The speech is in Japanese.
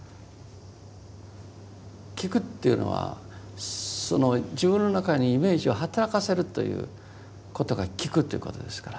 聞くというのは自分の中にイメージを働かせるということが聞くということですから。